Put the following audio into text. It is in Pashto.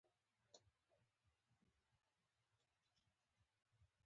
خپله ويي پانګه دي جوړوه.